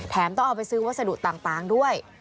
ต้องเอาไปซื้อวัสดุต่างด้วย